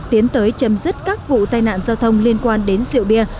tiến tới chấm dứt các vụ tai nạn giao thông liên quan đến rượu bia